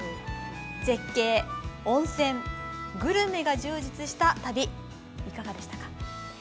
絶景、温泉、グルメが充実した旅いかがでしたか？